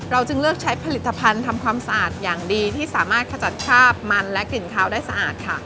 จึงเลือกใช้ผลิตภัณฑ์ทำความสะอาดอย่างดีที่สามารถขจัดคราบมันและกลิ่นข้าวได้สะอาดค่ะ